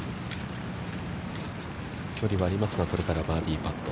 距離はありますが、これからバーディーパット。